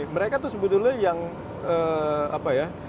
mereka tuh sebetulnya yang apa ya